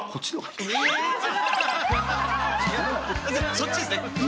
そっちですね！